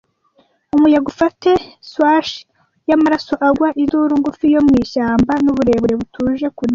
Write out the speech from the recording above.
Umuyaga, ufate, swash yamaraso agwa, induru ngufi yo mwishyamba, nuburebure, butuje, kuniha,